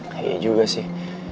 kayaknya juga sih